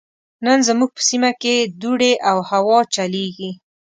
نن زموږ په سيمه کې دوړې او هوا چليږي.